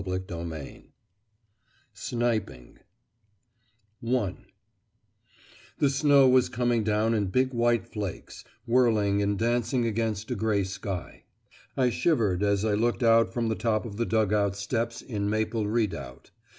CHAPTER VIII SNIPING I The snow was coming down in big white flakes, whirling and dancing against a grey sky. I shivered as I looked out from the top of the dug out steps in Maple Redoubt.